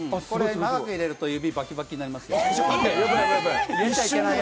長く入れると指バキバキになります。